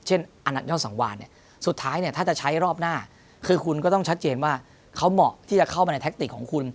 เช่นอันนักย่อสังวาลสุดท้ายถ้าจะใช้รอบหน้าคือคุณก็ต้องชัดเจนว่าเขาเหมาะที่จะเข้ามาในแท็กติกของคุณ